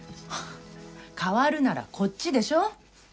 代わるならこっちでしょ。